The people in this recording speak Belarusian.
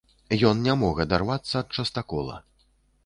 Ён не мог адарвацца ад частакола.